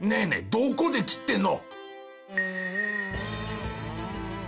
どこで切ってるの！？